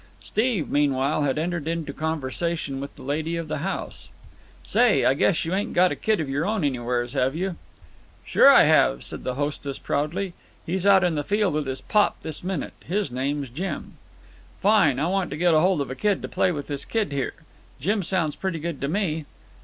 Steve, meanwhile had entered into conversation with the lady of the house. "Say, I guess you ain't got a kid of your own anywheres, have you?" "Sure I have," said the hostess proudly. "He's out in the field with his pop this minute. His name's Jim." "Fine. I want to get hold of a kid to play with this kid here. Jim sounds pretty good to me.